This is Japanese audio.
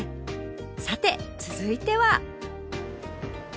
さて続いては